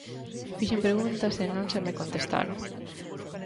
Fixen preguntas e non se me contestaron.